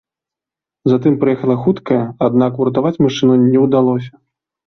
Затым прыехала хуткая, аднак уратаваць мужчыну не ўдалося.